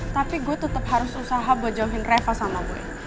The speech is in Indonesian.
tapi gue tetep harus usaha buat jauhin reva sama boy